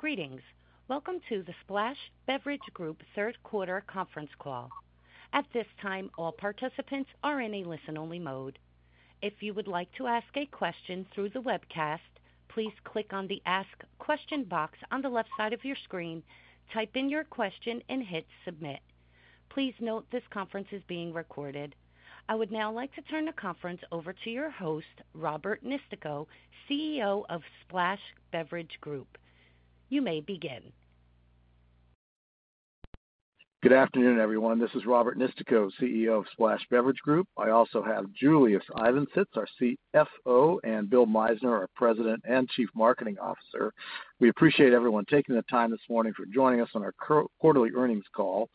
Greetings. Welcome to the Splash Beverage Group third-quarter conference call. At this time, all participants are in a listen-only mode. If you would like to ask a question through the webcast, please click on the Ask Question box on the left side of your screen, type in your question, and hit Submit. Please note this conference is being recorded. I would now like to turn the conference over to your host, Robert Nistico, CEO of Splash Beverage Group. You may begin. Good afternoon, everyone. This is Robert Nistico, CEO of Splash Beverage Group. I also have Julius Ivancsits, our CFO, and Bill Meissner, our President and Chief Marketing Officer. We appreciate everyone taking the time this morning for joining us on our quarterly earnings call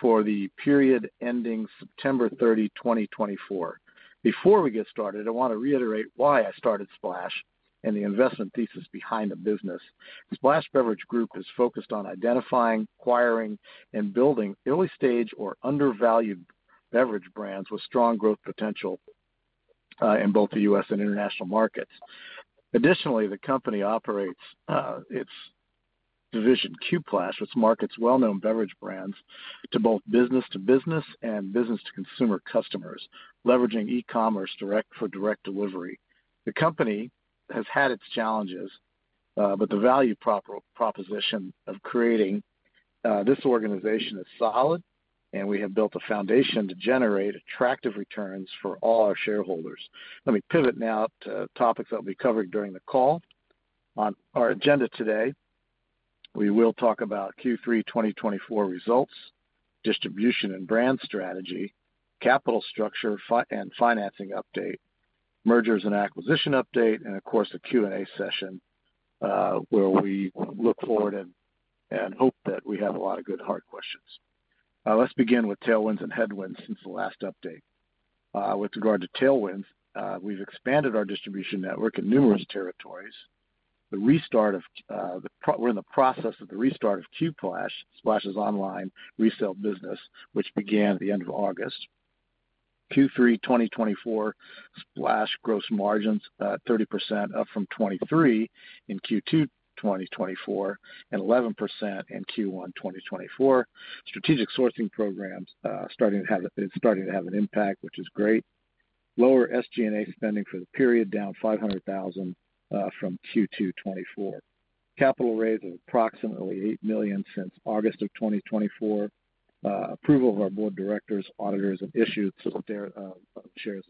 for the period ending September 30, 2024. Before we get started, I want to reiterate why I started Splash and the investment thesis behind the business. Splash Beverage Group is focused on identifying, acquiring, and building early-stage or undervalued beverage brands with strong growth potential in both the U.S. and international markets. Additionally, the company operates its division, Qplash, which markets well-known beverage brands to both business-to-business and business-to-consumer customers, leveraging e-commerce for direct delivery. The company has had its challenges, but the value proposition of creating this organization is solid, and we have built a foundation to generate attractive returns for all our shareholders. Let me pivot now to topics that will be covered during the call. On our agenda today, we will talk about Q3 2024 results, distribution and brand strategy, capital structure, and financing update, mergers and acquisition update, and, of course, a Q&A session where we look forward and hope that we have a lot of good hard questions. Let's begin with tailwinds and headwinds since the last update. With regard to tailwinds, we've expanded our distribution network in numerous territories. We're in the process of the restart of Qplash, Splash's online resale business, which began at the end of August. Q3 2024, Splash gross margins are 30% up from 23% in Q2 2024 and 11% in Q1 2024. Strategic sourcing programs are starting to have an impact, which is great. Lower SG&A spending for the period, down $500,000 from Q2 2024. Capital raised approximately $8 million since August of 2024. Approval of our board of directors, auditors, and issued shares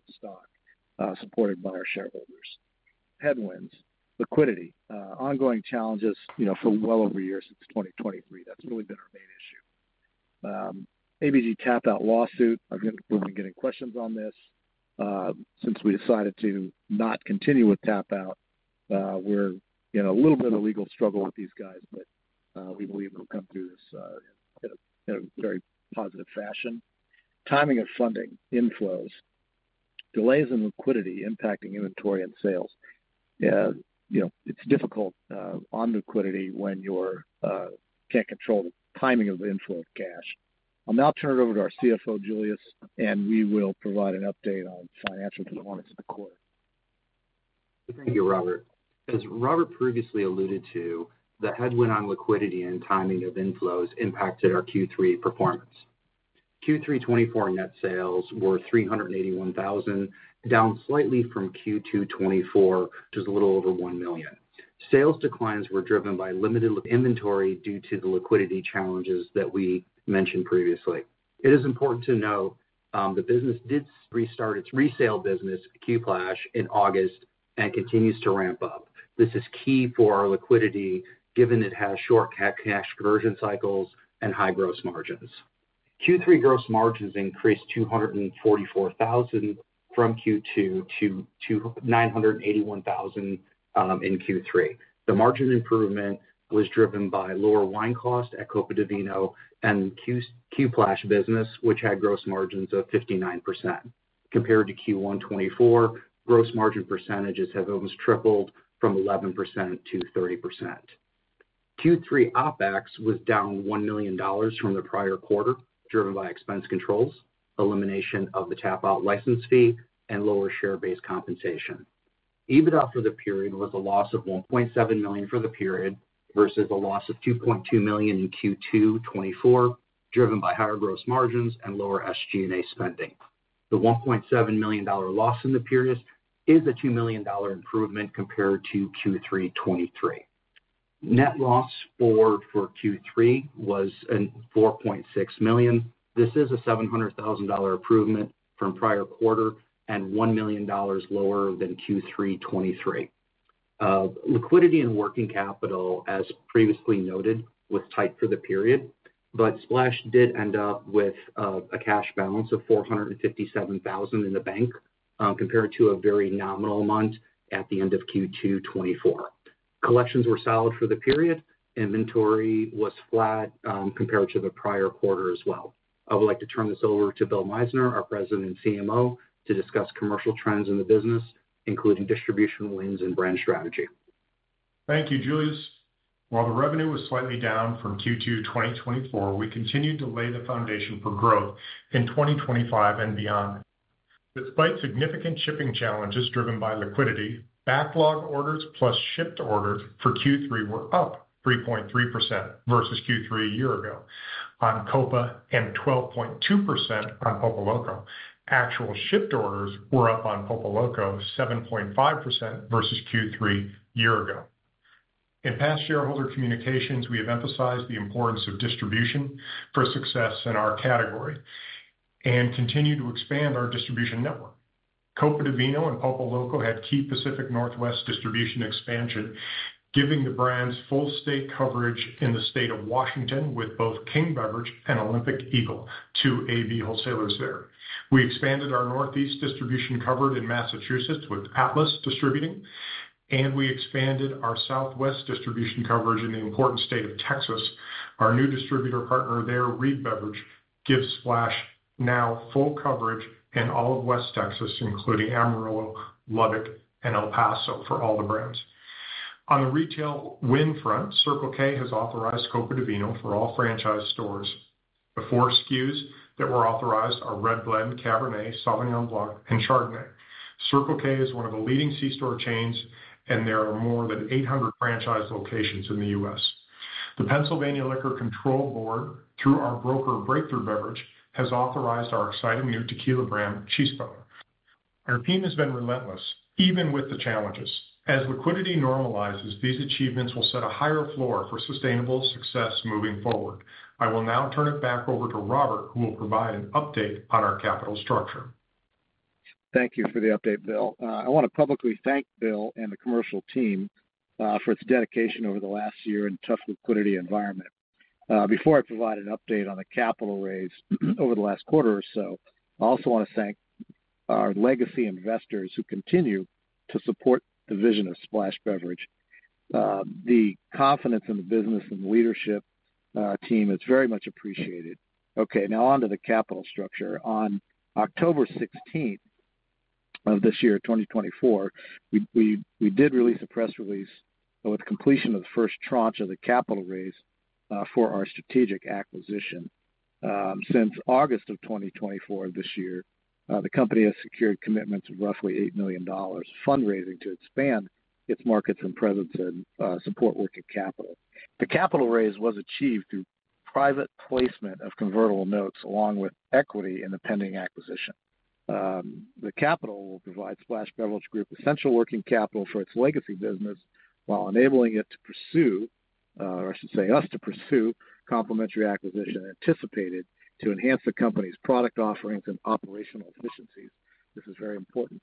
of stock supported by our shareholders. Headwinds: liquidity. Ongoing challenges for well over a year since 2023. That's really been our main issue. ABG Tapout lawsuit. We've been getting questions on this. Since we decided to not continue with Tapout, we're in a little bit of a legal struggle with these guys, but we believe we'll come through this in a very positive fashion. Timing of funding inflows. Delays in liquidity impacting inventory and sales. It's difficult on liquidity when you can't control the timing of the inflow of cash. I'll now turn it over to our CFO, Julius, and we will provide an update on financial performance in the quarter. Thank you, Robert. As Robert previously alluded to, the headwind on liquidity and timing of inflows impacted our Q3 performance. Q3 2024 net sales were $381,000, down slightly from Q2 2024, which is a little over $1 million. Sales declines were driven by limited inventory due to the liquidity challenges that we mentioned previously. It is important to note the business did restart its resale business, Qplash, in August and continues to ramp up. This is key for our liquidity, given it has short cash conversion cycles and high gross margins. Q3 gross margins increased $244,000 from Q2 to $981,000 in Q3. The margin improvement was driven by lower wine cost at Copa Di Vino and Qplash business, which had gross margins of 59%. Compared to Q1 2024, gross margin percentages have almost tripled from 11% to 30%. Q3 OPEX was down $1 million from the prior quarter, driven by expense controls, elimination of the Tapout license fee, and lower share-based compensation. EBITDA for the period was a loss of $1.7 million for the period versus a loss of $2.2 million in Q2 2024, driven by higher gross margins and lower SG&A spending. The $1.7 million loss in the period is a $2 million improvement compared to Q3 2023. Net loss for Q3 was $4.6 million. This is a $700,000 improvement from prior quarter and $1 million lower than Q3 2023. Liquidity and working capital, as previously noted, was tight for the period, but Splash did end up with a cash balance of $457,000 in the bank compared to a very nominal amount at the end of Q2 2024. Collections were solid for the period. Inventory was flat compared to the prior quarter as well. I would like to turn this over to Bill Meissner, our President and CMO, to discuss commercial trends in the business, including distribution wins and brand strategy. Thank you, Julius. While the revenue was slightly down from Q2 2024, we continue to lay the foundation for growth in 2025 and beyond. Despite significant shipping challenges driven by liquidity, backlog orders plus shipped orders for Q3 were up 3.3% versus Q3 a year ago on Copa and 12.2% on Pulpoloco. Actual shipped orders were up on Pulpoloco 7.5% versus Q3 a year ago. In past shareholder communications, we have emphasized the importance of distribution for success in our category and continue to expand our distribution network. Copa Di Vino and Pulpoloco had key Pacific Northwest distribution expansion, giving the brands full state coverage in the state of Washington with both King Beverage and Olympic Eagle, two AB wholesalers there. We expanded our Northeast distribution coverage in Massachusetts with Atlas Distributing, and we expanded our Southwest distribution coverage in the important state of Texas. Our new distributor partner there, Reed Beverage, gives Splash now full coverage in all of West Texas, including Amarillo, Lubbock, and El Paso for all the brands. On the retail win front, Circle K has authorized Copa Di Vino for all franchise stores. The four SKUs that were authorized are Red Blend, Cabernet, Sauvignon Blanc, and Chardonnay. Circle K is one of the leading C-store chains, and there are more than 800 franchise locations in the U.S. The Pennsylvania Liquor Control Board, through our broker Breakthru Beverage, has authorized our exciting new tequila brand, Chispa. Our team has been relentless, even with the challenges. As liquidity normalizes, these achievements will set a higher floor for sustainable success moving forward. I will now turn it back over to Robert, who will provide an update on our capital structure. Thank you for the update, Bill. I want to publicly thank Bill and the commercial team for its dedication over the last year in a tough liquidity environment. Before I provide an update on the capital raised over the last quarter or so, I also want to thank our legacy investors who continue to support the vision of Splash Beverage. The confidence in the business and the leadership team is very much appreciated. Okay, now on to the capital structure. On October 16th of this year, 2024, we did release a press release with completion of the first tranche of the capital raised for our strategic acquisition. Since August of 2024 of this year, the company has secured commitments of roughly $8 million fundraising to expand its markets and presence and support working capital. The capital raise was achieved through private placement of convertible notes along with equity in the pending acquisition. The capital will provide Splash Beverage Group essential working capital for its legacy business while enabling it to pursue, or I should say us to pursue, complementary acquisition anticipated to enhance the company's product offerings and operational efficiencies. This is very important.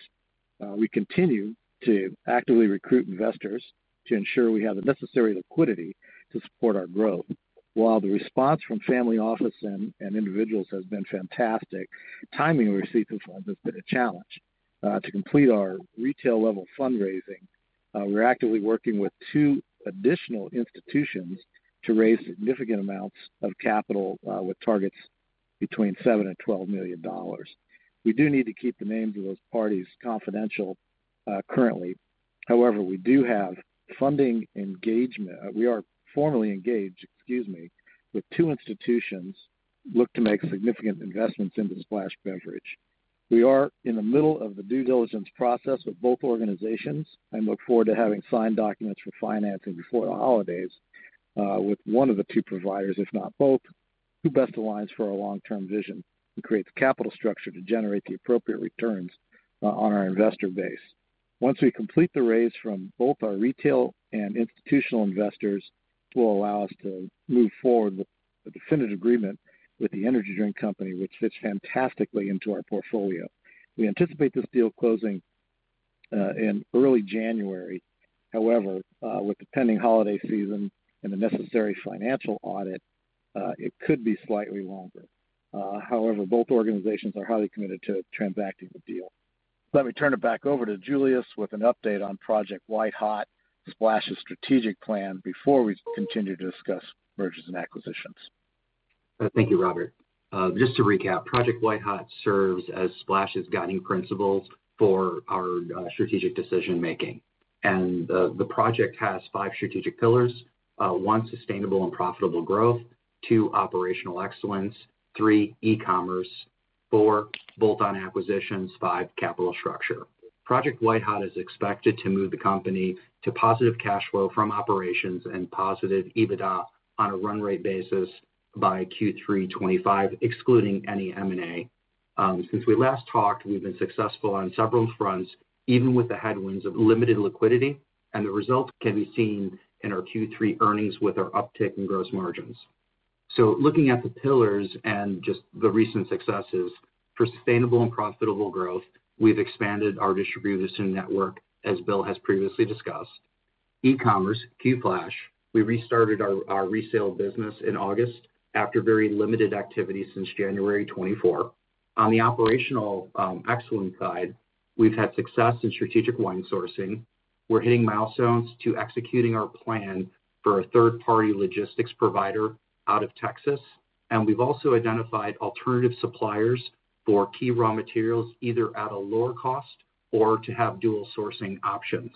We continue to actively recruit investors to ensure we have the necessary liquidity to support our growth. While the response from family office and individuals has been fantastic, timing of receipts and funds has been a challenge. To complete our retail-level fundraising, we're actively working with two additional institutions to raise significant amounts of capital with targets between $7 and $12 million. We do need to keep the names of those parties confidential currently. However, we do have funding engagement. We are formally engaged, excuse me, with two institutions that look to make significant investments into Splash Beverage. We are in the middle of the due diligence process with both organizations and look forward to having signed documents for financing before the holidays with one of the two providers, if not both, who best aligns for our long-term vision and creates capital structure to generate the appropriate returns on our investor base. Once we complete the raise from both our retail and institutional investors, it will allow us to move forward with a definitive agreement with the energy drink company, which fits fantastically into our portfolio. We anticipate this deal closing in early January. However, with the pending holiday season and the necessary financial audit, it could be slightly longer. However, both organizations are highly committed to transacting the deal. Let me turn it back over to Julius with an update on Project White Hot, Splash's strategic plan before we continue to discuss mergers and acquisitions. Thank you, Robert. Just to recap, Project White Hot serves as Splash's guiding principles for our strategic decision-making, and the project has five strategic pillars: one, sustainable and profitable growth; two, operational excellence; three, e-commerce; four, bolt-on acquisitions; five, capital structure. Project White Hot is expected to move the company to positive cash flow from operations and positive EBITDA on a run rate basis by Q3 2025, excluding any M&A. Since we last talked, we've been successful on several fronts, even with the headwinds of limited liquidity, and the result can be seen in our Q3 earnings with our uptick in gross margins, so looking at the pillars and just the recent successes for sustainable and profitable growth, we've expanded our distribution network, as Bill has previously discussed. E-commerce, Qplash, we restarted our resale business in August after very limited activity since January 2024. On the operational excellence side, we've had success in strategic wine sourcing. We're hitting milestones to executing our plan for a third-party logistics provider out of Texas, and we've also identified alternative suppliers for key raw materials, either at a lower cost or to have dual sourcing options.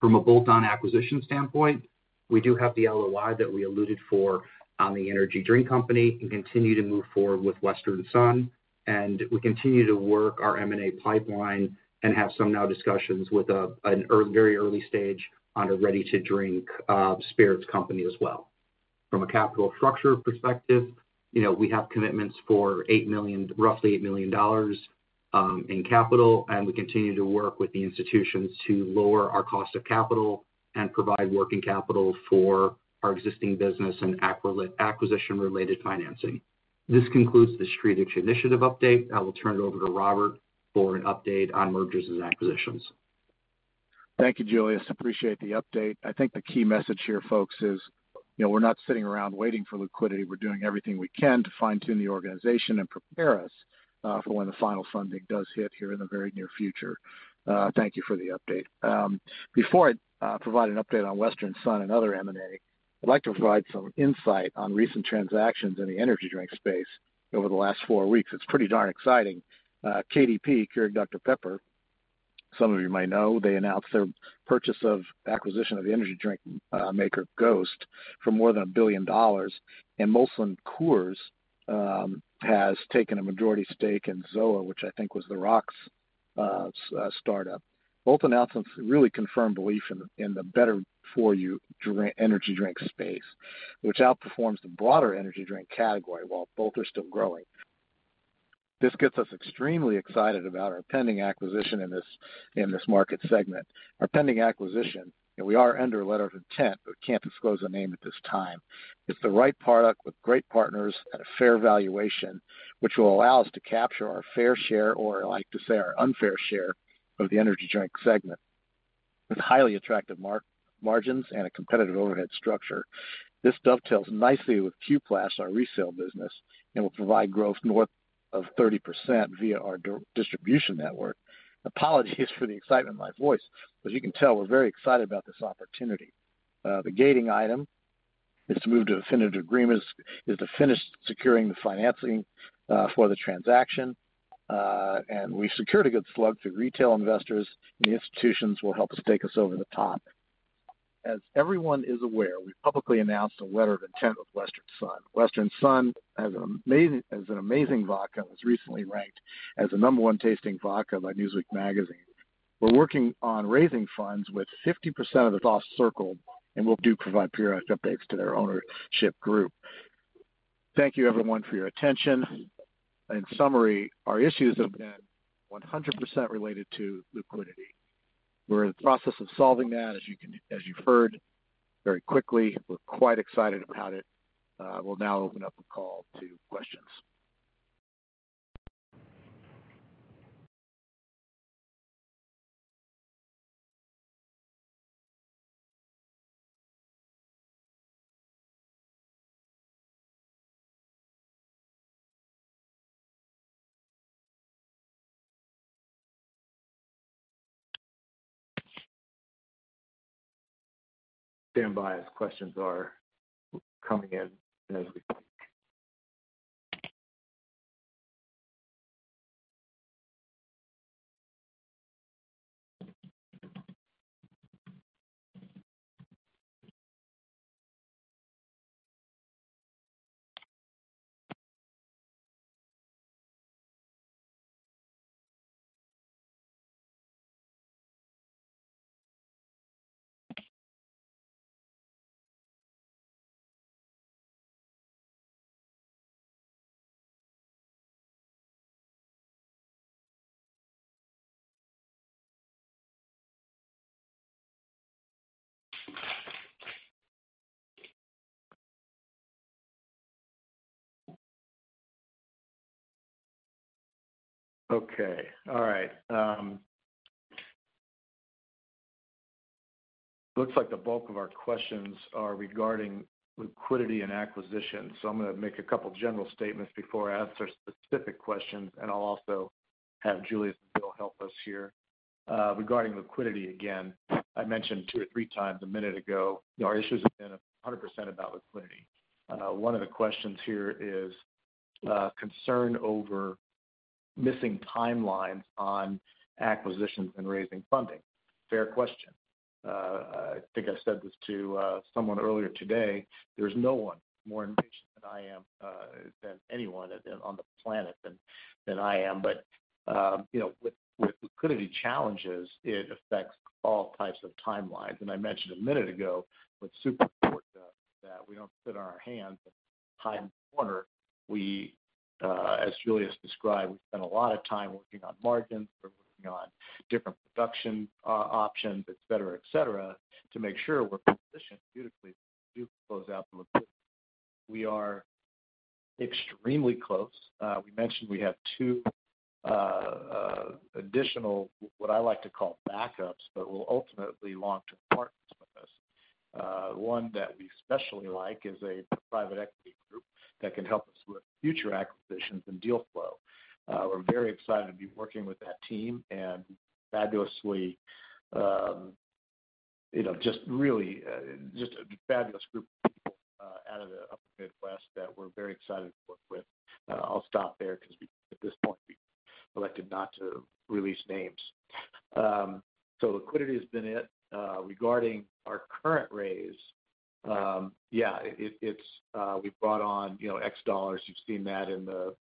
From a bolt-on acquisition standpoint, we do have the LOI that we alluded to on the energy drink company and continue to move forward with Western Son. And we continue to work our M&A pipeline and have some new discussions with a very early stage on a ready-to-drink spirits company as well. From a capital structure perspective, we have commitments for roughly $8 million in capital, and we continue to work with the institutions to lower our cost of capital and provide working capital for our existing business and acquisition-related financing. This concludes this strategic initiative update. I will turn it over to Robert for an update on mergers and acquisitions. Thank you, Julius. Appreciate the update. I think the key message here, folks, is we're not sitting around waiting for liquidity. We're doing everything we can to fine-tune the organization and prepare us for when the final funding does hit here in the very near future. Thank you for the update. Before I provide an update on Western Son and other M&A, I'd like to provide some insight on recent transactions in the energy drink space over the last four weeks. It's pretty darn exciting. KDP, Keurig Dr Pepper, some of you may know, they announced their purchase of acquisition of the energy drink maker Ghost for more than $1 billion. Molson Coors has taken a majority stake in Zoa, which I think was The Rock's startup. Both announcements really confirm belief in the better-for-you energy drink space, which outperforms the broader energy drink category while both are still growing. This gets us extremely excited about our pending acquisition in this market segment. Our pending acquisition, we are under a letter of intent, but we can't disclose a name at this time. It's the right product with great partners at a fair valuation, which will allow us to capture our fair share, or I like to say our unfair share of the energy drink segment with highly attractive margins and a competitive overhead structure. This dovetails nicely with Qplash, our resale business, and will provide growth north of 30% via our distribution network. Apologies for the excitement in my voice, but as you can tell, we're very excited about this opportunity. The gating item is to move to definitive agreements, is to finish securing the financing for the transaction, and we've secured a good slug through retail investors, and the institutions will help us take us over the top. As everyone is aware, we publicly announced a letter of intent with Western Son. Western Son has an amazing vodka and was recently ranked as the number one tasting vodka by Newsweek Magazine. We're working on raising funds with 50% of the cost circled, and we'll do provide periodic updates to their ownership group. Thank you, everyone, for your attention. In summary, our issues have been 100% related to liquidity. We're in the process of solving that, as you've heard, very quickly. We're quite excited about it. We'll now open up the call to questions. Stand by as questions are coming in as we speak. Okay. All right. Looks like the bulk of our questions are regarding liquidity and acquisition. So I'm going to make a couple of general statements before I ask our specific questions, and I'll also have Julius and Bill help us here. Regarding liquidity, again, I mentioned two or three times a minute ago, our issues have been 100% about liquidity. One of the questions here is concern over missing timelines on acquisitions and raising funding. Fair question. I think I said this to someone earlier today. There's no one more impatient than I am, than anyone on the planet than I am, but with liquidity challenges, it affects all types of timelines, and I mentioned a minute ago what's super important that we don't sit on our hands and hide in the corner. As Julius described, we spend a lot of time working on margins. We're working on different production options, etc., etc., to make sure we're positioned beautifully to close out the liquidity. We are extremely close. We mentioned we have two additional, what I like to call backups, but will ultimately be long-term partners with us. One that we especially like is a private equity group that can help us with future acquisitions and deal flow. We're very excited to be working with that team and fabulously, just really just a fabulous group of people out of the Upper Midwest that we're very excited to work with. I'll stop there because at this point, we elected not to release names, so liquidity has been it. Regarding our current raise, yeah, we brought on $X. You've seen that in the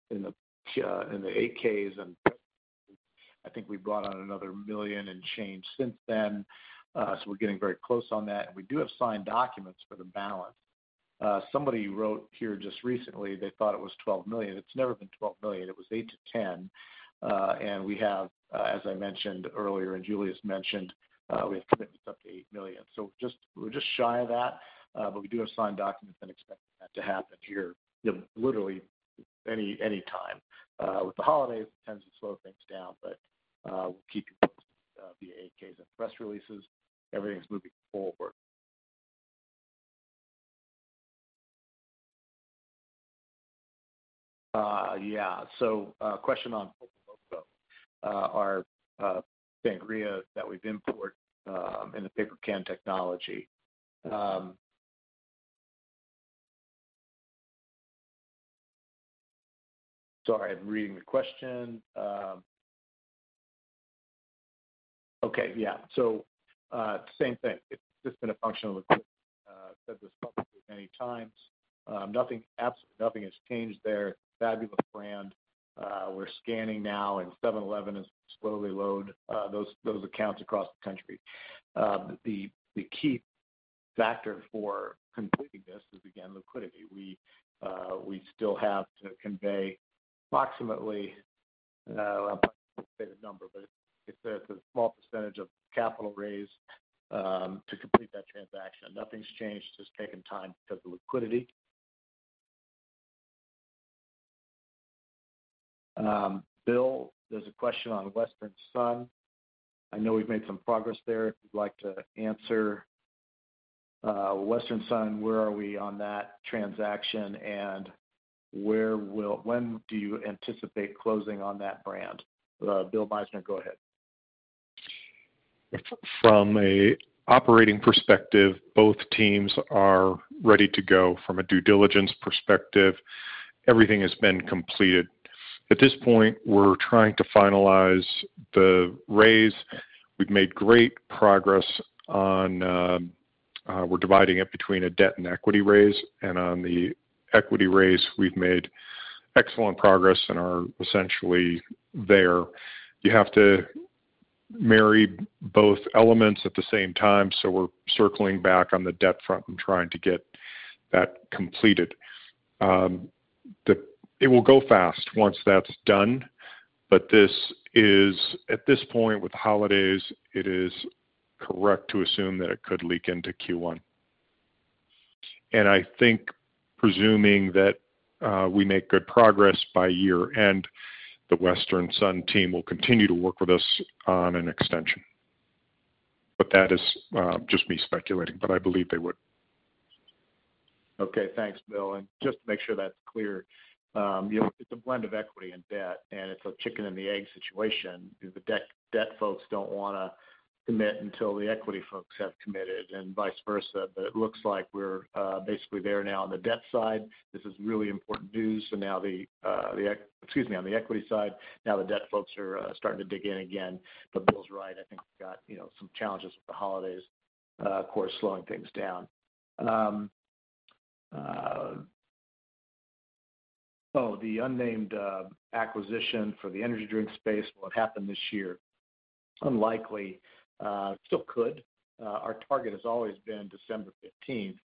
8-Ks and I think we brought on another $1 million and change since then, so we're getting very close on that. We do have signed documents for the balance. Somebody wrote here just recently, they thought it was $12 million. It's never been $12 million. It was $8-$10 million. We have, as I mentioned earlier and Julius mentioned, we have commitments up to $8 million. We're just shy of that, but we do have signed documents and expect that to happen here literally any time. With the holidays, it tends to slow things down, but we'll keep you posted via 8-Ks and press releases. Everything's moving forward. Yeah. Question on our sangria that we've imported in the paper can technology. Sorry, I'm reading the question. Okay. Yeah. Same thing. It's just been a functional liquidity. I've said this publicly many times. Absolutely nothing has changed there. It's a fabulous brand. We're scanning now, and 7-Eleven is slowly loading those accounts across the country. The key factor for completing this is, again, liquidity. We still have to convey approximately an unprecedented number, but it's a small percentage of capital raised to complete that transaction. Nothing's changed. It's just taken time because of liquidity. Bill, there's a question on Western Son. I know we've made some progress there. If you'd like to answer. Western Son, where are we on that transaction, and when do you anticipate closing on that brand? Bill Meissner, go ahead. From an operating perspective, both teams are ready to go. From a due diligence perspective, everything has been completed. At this point, we're trying to finalize the raise. We've made great progress on. We're dividing it between a debt and equity raise, and on the equity raise, we've made excellent progress and are essentially there. You have to marry both elements at the same time, so we're circling back on the debt front and trying to get that completed. It will go fast once that's done, but this is, at this point with the holidays, it is correct to assume that it could leak into Q1, and I think, presuming that we make good progress by year-end, the Western Son team will continue to work with us on an extension, but that is just me speculating, but I believe they would. Okay. Thanks, Bill. And just to make sure that's clear, it's a blend of equity and debt, and it's a chicken and the egg situation. The debt folks don't want to commit until the equity folks have committed and vice versa. But it looks like we're basically there now on the debt side. This is really important news. So now the, excuse me, on the equity side, now the debt folks are starting to dig in again. But Bill's right. I think we've got some challenges with the holidays, of course, slowing things down. Oh, the unnamed acquisition for the energy drink space will have happened this year. Unlikely. Still could. Our target has always been December 15th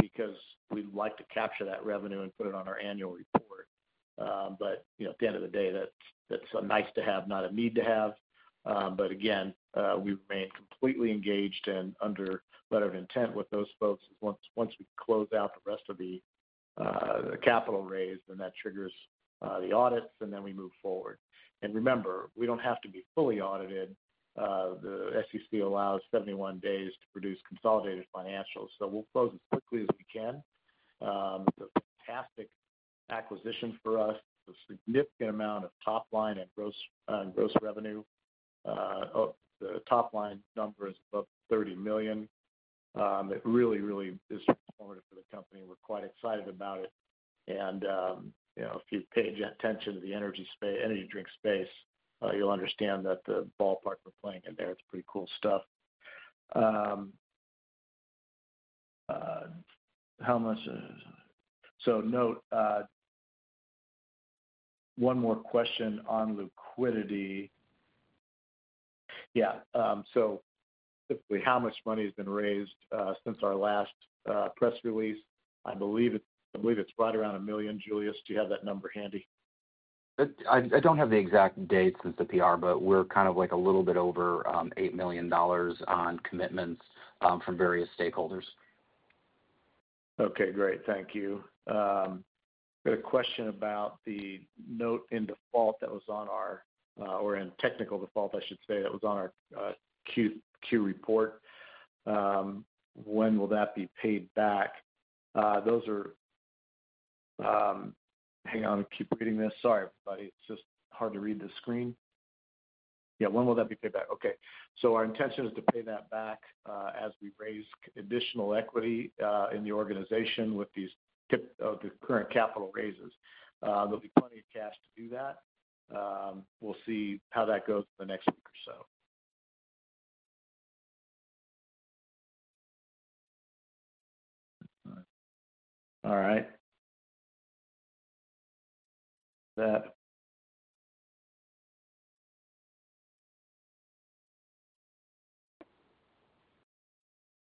because we'd like to capture that revenue and put it on our annual report. But at the end of the day, that's a nice-to-have, not a need-to-have. But again, we remain completely engaged and under letter of intent with those folks. Once we close out the rest of the capital raise, then that triggers the audits, and then we move forward. And remember, we don't have to be fully audited. The SEC allows 71 days to produce consolidated financials, so we'll close as quickly as we can. It's a fantastic acquisition for us. It's a significant amount of top-line and gross revenue. The top-line number is above $30 million. It really, really is transformative for the company. We're quite excited about it. And if you pay attention to the energy drink space, you'll understand that the ballpark we're playing in there is pretty cool stuff. So note, one more question on liquidity. Yeah. So typically, how much money has been raised since our last press release? I believe it's right around $1 million. Julius, do you have that number handy? I don't have the exact dates as the PR, but we're kind of like a little bit over $8 million on commitments from various stakeholders. Okay. Great. Thank you. Got a question about the note in default that was on our or in technical default, I should say, that was on our Q report. When will that be paid back? Hang on. Keep reading this. Sorry, everybody. It's just hard to read the screen. Yeah. When will that be paid back? Okay. So our intention is to pay that back as we raise additional equity in the organization with the current capital raises. There'll be plenty of cash to do that. We'll see how that goes in the next week or so. All right.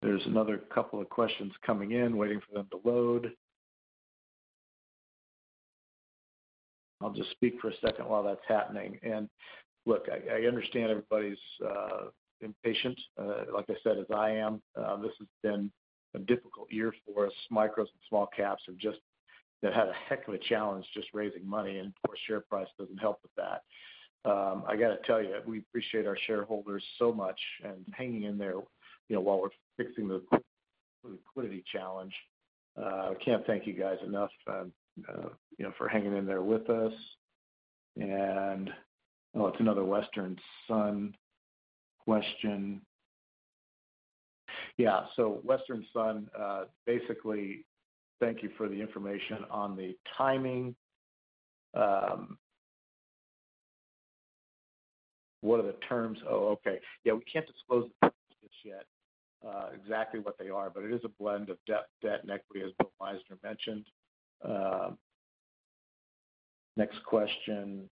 There's another couple of questions coming in, waiting for them to load. I'll just speak for a second while that's happening. And look, I understand everybody's impatient. Like I said, as I am, this has been a difficult year for us. Micros and small caps have just had a heck of a challenge just raising money, and of course, share price doesn't help with that. I got to tell you, we appreciate our shareholders so much and hanging in there while we're fixing the liquidity challenge. I can't thank you guys enough for hanging in there with us. And oh, it's another Western Son question. Yeah. So Western Son, basically, thank you for the information on the timing. What are the terms? Oh, okay. Yeah. We can't disclose the terms just yet, exactly what they are, but it is a blend of debt, debt, and equity, as Bill Meissner mentioned. Next question.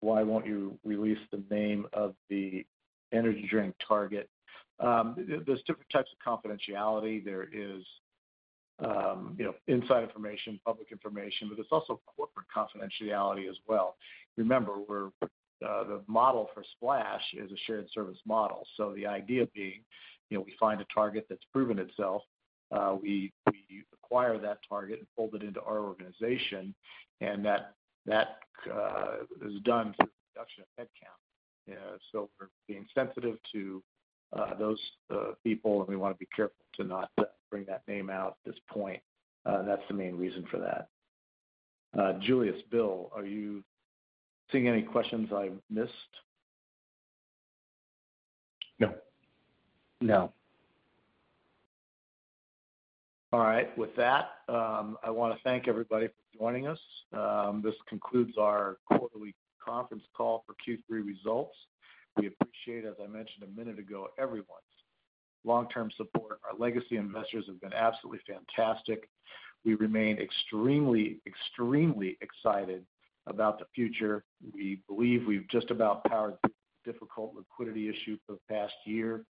Why won't you release the name of the energy drink target? There's different types of confidentiality. There is inside information, public information, but there's also corporate confidentiality as well. Remember, the model for Splash is a shared service model. So the idea being, we find a target that's proven itself. We acquire that target and fold it into our organization, and that is done through the production of headcount. So we're being sensitive to those people, and we want to be careful to not bring that name out at this point. That's the main reason for that. Julius, Bill, are you seeing any questions I missed? No. No. All right. With that, I want to thank everybody for joining us. This concludes our quarterly conference call for Q3 results. We appreciate, as I mentioned a minute ago, everyone's long-term support. Our legacy investors have been absolutely fantastic. We remain extremely, extremely excited about the future. We believe we've just about powered through the difficult liquidity issue for the past year.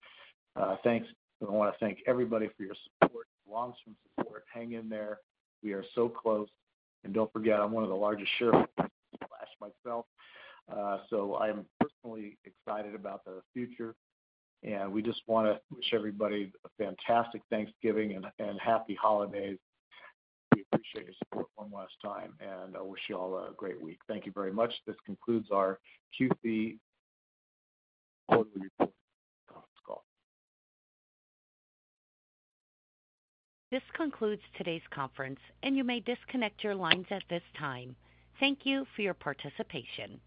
Thanks. I want to thank everybody for your support, long-term support. Hang in there. We are so close. And don't forget, I'm one of the largest shareholders of Splash myself. So I'm personally excited about the future. And we just want to wish everybody a fantastic Thanksgiving and happy holidays. We appreciate your support one last time, and I wish you all a great week. Thank you very much. This concludes our Q3 quarterly reporting conference call. This concludes today's conference, and you may disconnect your lines at this time. Thank you for your participation.